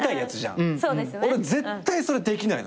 俺絶対それできないのよ。